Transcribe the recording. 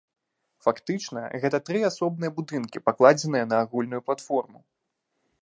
Фактычна, гэта тры асобныя будынкі, пакладзеныя на агульную платформу.